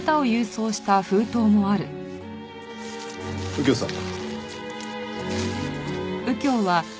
右京さん。